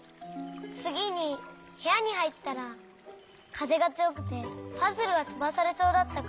つぎにへやにはいったらかぜがつよくてパズルがとばされそうだったからまどをしめようとしたの。